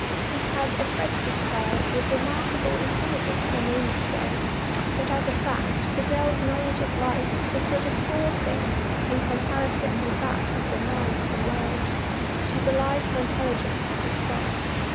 He had accredited her with remarkable intelligence a moment ago, but as a fact the girl's knowledge of life is but a poor thing in comparison with that of the man of the world. She belies her intelligence on the spot.